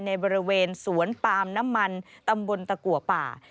ในบริเวณสวนปาล์มน้ำมันตำบลตะกัวป่า